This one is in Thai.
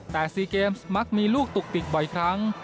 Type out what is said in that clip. แต่๔เกมมักมีลูกตุกปิกบ่อยครั้ง